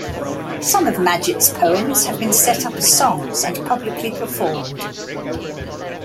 Some of Madgett's poems have been set up as songs and publicly performed.